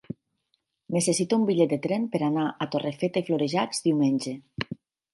Necessito un bitllet de tren per anar a Torrefeta i Florejacs diumenge.